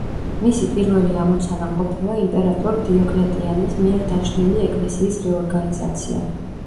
მისი პირველი ამოცანა ყოფილა იმპერატორ დიოკლეტიანეს მიერ დაშლილი ეკლესიის რეორგანიზაცია.